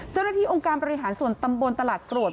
เจ้าหน้าที่องค์การบริหารส่วนตำบลตลาดกรวด